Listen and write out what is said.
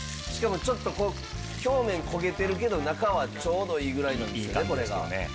しかもちょっとこう表面焦げてるけど中はちょうどいいぐらいなんですよね？